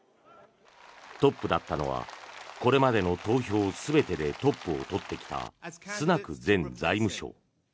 トップだったのはこれまでの投票全てでトップを取ってきたスナク前財務相。